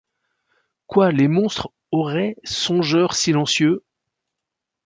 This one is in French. Quoi ! les monstres auraient, songeurs silencieux